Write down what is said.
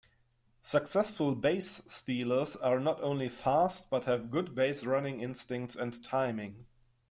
Successful base stealers are not only fast but have good baserunning instincts and timing.